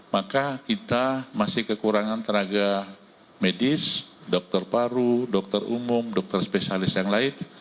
maka kita masih kekurangan tenaga medis dokter paru dokter umum dokter spesialis yang lain